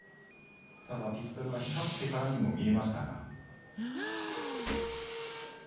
ただ、ピストルが光ってからにも見えましたが。